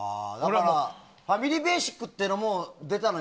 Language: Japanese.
ファミリーベーシックっていうのも出たのよ。